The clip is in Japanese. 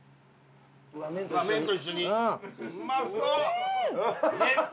・麺と一緒にうまそう！